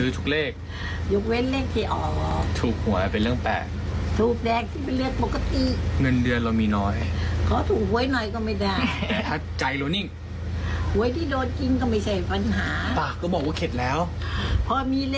จูด้งครับ